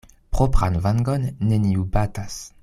Propran vangon neniu batas.